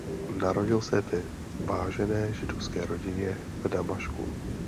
Narodil se ve vážené židovské rodině v Damašku.